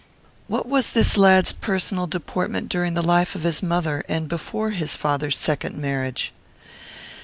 "What was this lad's personal deportment during the life of his mother, and before his father's second marriage?"